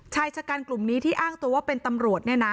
ชายชะกันกลุ่มนี้ที่อ้างตัวว่าเป็นตำรวจเนี่ยนะ